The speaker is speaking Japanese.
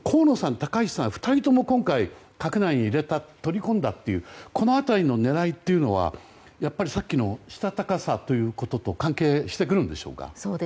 この２人とも今回、閣内に取り込んだという狙いというのはやっぱりさっきのしたたかさということと関係してくるんでしょうか。